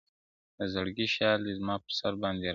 د زړگي شال دي زما پر سر باندي راوغوړوه.